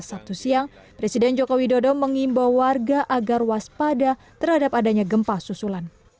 sabtu siang presiden joko widodo mengimbau warga agar waspada terhadap adanya gempa susulan